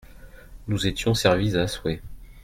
Nous étions servis à souhait.